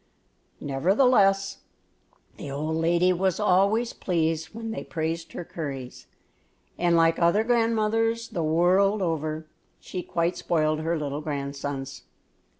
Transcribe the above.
Nevertheless, the old lady was always pleased when they praised her curries, and, like other grandmothers the world over, she quite spoiled her little grandsons.